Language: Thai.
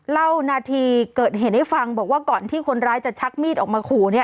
เล่านาทีเกิดเหตุให้ฟังบอกว่าก่อนที่คนร้ายจะชักมีดออกมาขู่เนี่ย